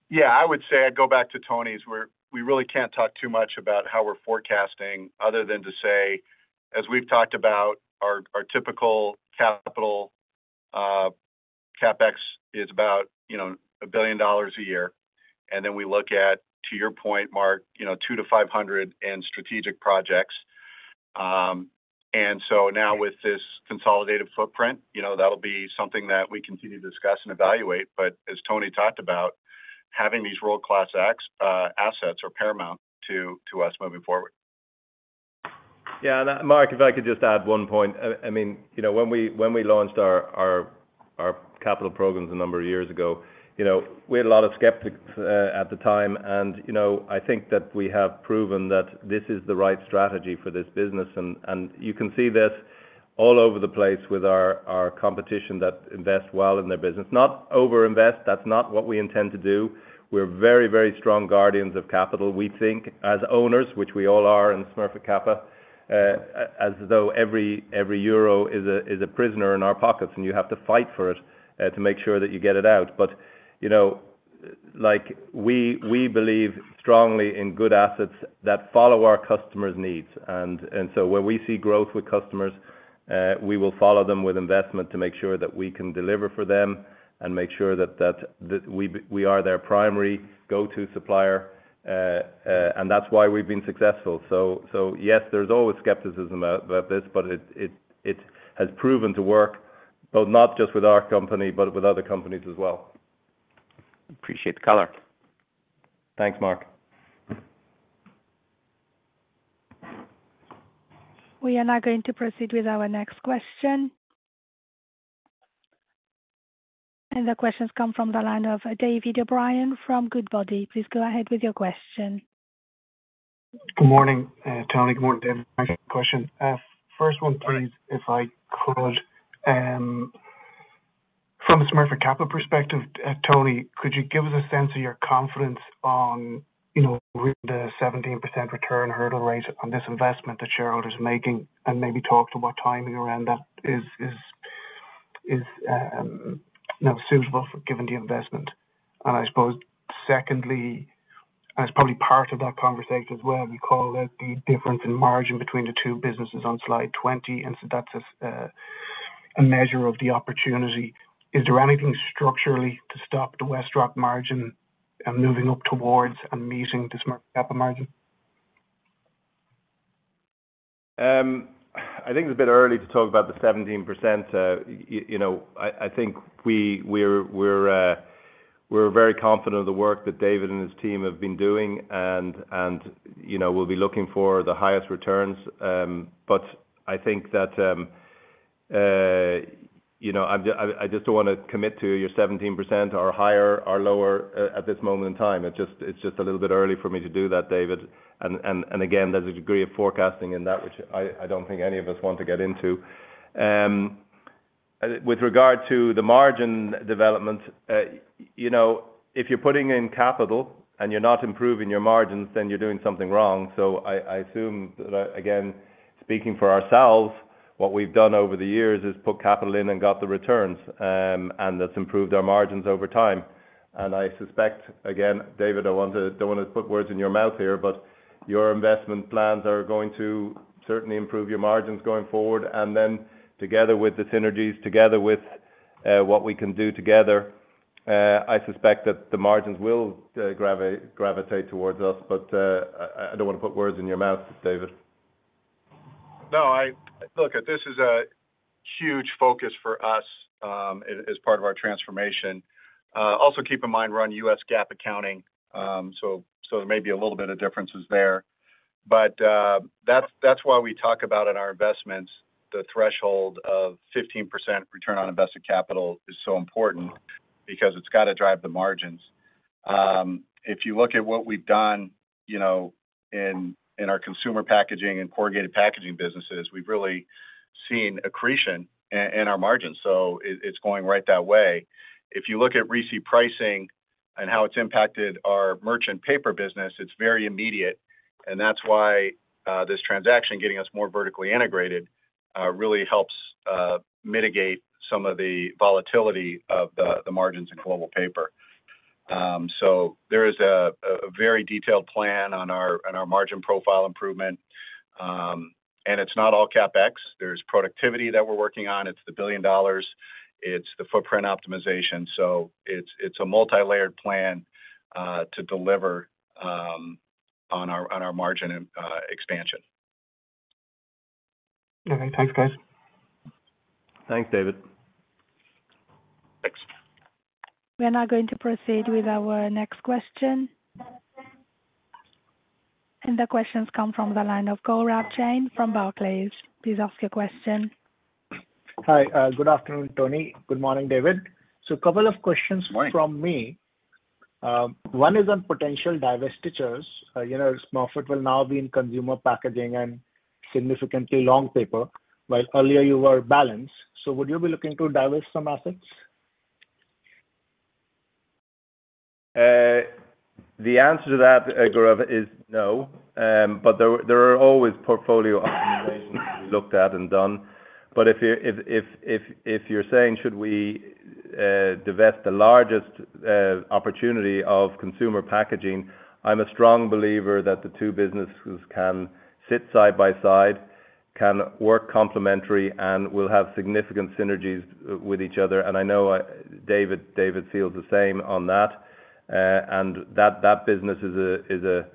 Yeah, I would say I'd go back to Tony's, where we really can't talk too much about how we're forecasting other than to say, as we've talked about, our, our typical capital, CapEx is about, you know, $1 billion a year. And then we look at, to your point, Mark, you know, $200-$500 million in strategic projects. And so now with this consolidated footprint, you know, that'll be something that we continue to discuss and evaluate. But as Tony talked about, having these world-class assets are paramount to, to us moving forward. Yeah, and Mark, if I could just add one point. I mean, you know, when we launched our capital programs a number of years ago, you know, we had a lot of skeptics at the time, and, you know, I think that we have proven that this is the right strategy for this business. And you can see this all over the place with our competition that invest well in their business. Not overinvest. That's not what we intend to do. We're very, very strong guardians of capital. We think as owners, which we all are in Smurfit Kappa, as though every euro is a prisoner in our pockets, and you have to fight for it to make sure that you get it out. But, you know, like, we believe strongly in good assets that follow our customers' needs. And so when we see growth with customers, we will follow them with investment to make sure that we can deliver for them and make sure that we are their primary go-to supplier. And that's why we've been successful. So yes, there's always skepticism out about this, but it has proven to work, both not just with our company, but with other companies as well. Appreciate the color. Thanks, Mark. We are now going to proceed with our next question. The question's come from the line of David O'Brien from Goodbody. Please go ahead with your question. Good morning, Tony. Good morning, David. Question. First one, please, if I could. From a Smurfit Kappa perspective, Tony, could you give us a sense of your confidence on, you know, with the 17% return hurdle rate on this investment that shareholders are making, and maybe talk about timing around that is suitable for giving the investment? And I suppose secondly, and it's probably part of that conversation as well, you called out the difference in margin between the two businesses on slide 20, and so that's a measure of the opportunity. Is there anything structurally to stop the WestRock margin and moving up towards and meeting the Smurfit Kappa margin? I think it's a bit early to talk about the 17%. You know, I think we're very confident of the work that David and his team have been doing, and you know, we'll be looking for the highest returns. But I think that, you know, I just don't wanna commit to your 17% or higher or lower at this moment in time. It's just a little bit early for me to do that, David. And again, there's a degree of forecasting in that, which I don't think any of us want to get into. With regard to the margin development, you know, if you're putting in capital and you're not improving your margins, then you're doing something wrong. So I assume that, again, speaking for ourselves, what we've done over the years is put capital in and got the returns. And that's improved our margins over time. And I suspect, again, David, I don't want to, don't wanna put words in your mouth here, but your investment plans are going to certainly improve your margins going forward. And then together with the synergies, together with what we can do together, I suspect that the margins will gravitate towards us. But I don't wanna put words in your mouth, David. No, look, this is a huge focus for us, as part of our transformation. Also, keep in mind, we're on U.S. GAAP accounting, so there may be a little bit of differences there. But that's why we talk about in our investments, the threshold of 15% return on invested capital is so important, because it's gotta drive the margins. If you look at what we've done, you know, in our consumer packaging and corrugated packaging businesses, we've really seen accretion in our margins, so it's going right that way. If you look at RISI pricing and how it's impacted our merchant paper business, it's very immediate. And that's why this transaction, getting us more vertically integrated, really helps mitigate some of the volatility of the margins in global paper. So there is a very detailed plan on our margin profile improvement. And it's not all CapEx. There's productivity that we're working on. It's the $1 billion. It's the footprint optimization. So it's a multilayered plan to deliver on our margin and expansion. Okay. Thanks, guys. Thanks, David. Thanks. We are now going to proceed with our next question. The question's come from the line of Gaurav Jain from Barclays. Please ask your question. Hi. Good afternoon, Tony. Good morning, David. A couple of questions- Good morning. -from me. One is on potential divestitures. You know, Smurfit will now be in consumer packaging and significantly long paper, while earlier you were balanced. So would you be looking to divest some assets? The answer to that, Gaurav, is no. But there were, there are always portfolio optimizations looked at and done. But if you're saying, should we divest the largest opportunity of consumer packaging, I'm a strong believer that the two businesses can sit side by side, can work complementary, and will have significant synergies with each other. And I know, David feels the same on that. And that business is a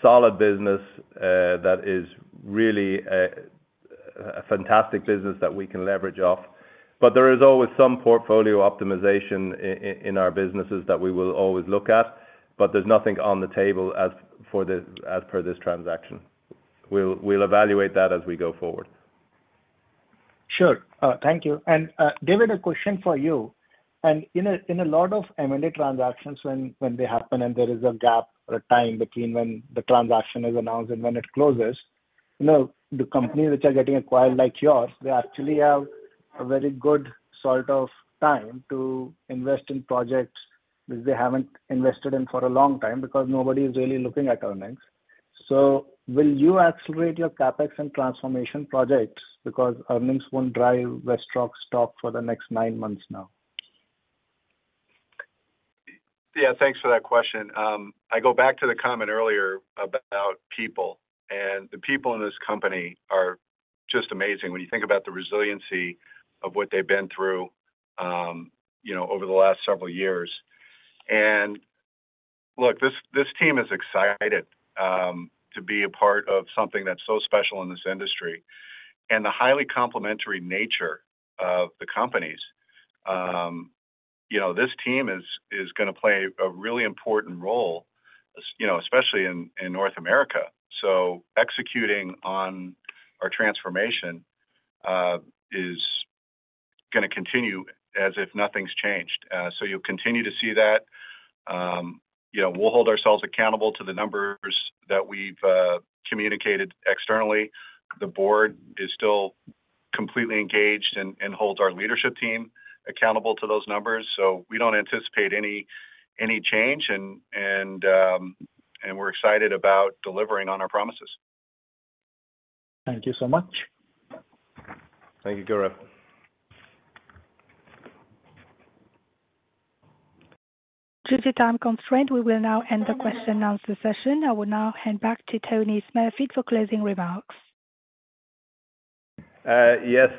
solid business that is really a fantastic business that we can leverage off. But there is always some portfolio optimization in our businesses that we will always look at, but there's nothing on the table as for this transaction. We'll evaluate that as we go forward. Sure. Thank you. And, David, a question for you. In a lot of M&A transactions, when they happen and there is a gap or a time between when the transaction is announced and when it closes, you know, the companies which are getting acquired, like yours, they actually have a very good sort of time to invest in projects which they haven't invested in for a long time, because nobody is really looking at earnings. So will you accelerate your CapEx and transformation projects because earnings won't drive WestRock's stock for the next nine months now? Yeah, thanks for that question. I go back to the comment earlier about people, and the people in this company are just amazing when you think about the resiliency of what they've been through, you know, over the last several years. And look, this, this team is excited, to be a part of something that's so special in this industry. And the highly complementary nature of the companies, you know, this team is, is gonna play a really important role, you know, especially in, in North America. So executing on our transformation, is gonna continue as if nothing's changed. So you'll continue to see that. You know, we'll hold ourselves accountable to the numbers that we've communicated externally. The board is still completely engaged and, and holds our leadership team accountable to those numbers, so we don't anticipate any, any change. We're excited about delivering on our promises. Thank you so much. Thank you, Gaurav. Due to time constraint, we will now end the question and answer session. I will now hand back to Tony Smurfit for closing remarks. Yes,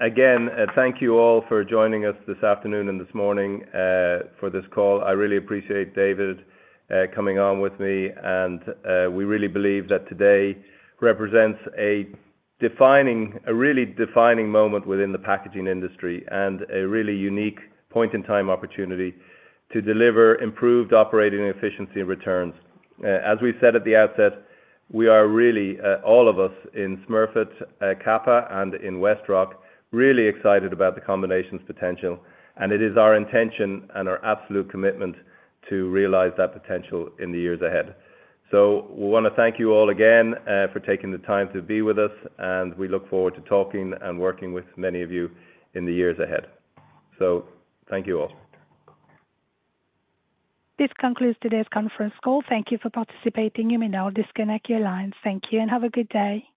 again, thank you all for joining us this afternoon and this morning, for this call. I really appreciate David, coming on with me, and, we really believe that today represents a defining, a really defining moment within the packaging industry and a really unique point-in-time opportunity to deliver improved operating efficiency and returns. As we said at the outset, we are really, all of us in Smurfit Kappa and in WestRock, really excited about the combination's potential, and it is our intention and our absolute commitment to realize that potential in the years ahead. So we wanna thank you all again, for taking the time to be with us, and we look forward to talking and working with many of you in the years ahead. So thank you all. This concludes today's conference call. Thank you for participating. You may now disconnect your lines. Thank you, and have a good day.